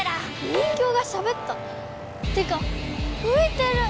人形がしゃべった⁉てかういてる！